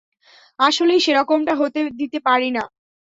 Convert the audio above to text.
আসলেই সেরকমটা হতে দিতে পারি না!